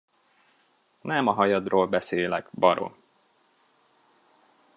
Nem a hajadról beszélek, barom.